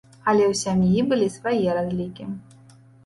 Але ў сям'і былі свае разлікі.